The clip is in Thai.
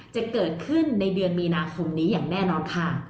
จะเกิดขึ้นในเดือนมีนาคมนี้อย่างแน่นอนค่ะ